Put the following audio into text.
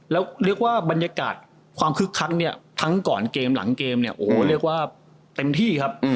แล้วบรรยากาศคืกครักตั้งก่อนเกมหลังเกมโดยเรียกเต็มที่